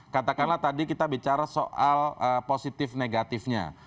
katakanlah tadi kita bicara soal positif negatifnya